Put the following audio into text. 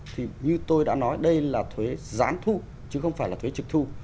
thì như tôi đã nói đây là thuế gián thu chứ không phải là thuế trực thu